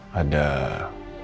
satu kejadian yang selalu saya